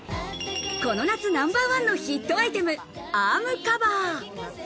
この夏ナンバーワンのヒットアイテム、アームカバー。